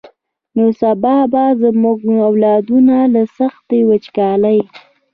نو سبا به زمونږ اولادونه له سختې وچکالۍ.